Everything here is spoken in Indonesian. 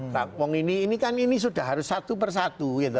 kampung ini kan ini sudah harus satu persatu